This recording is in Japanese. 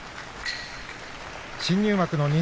新入幕の錦